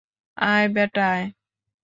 আয় বেটা, আয়।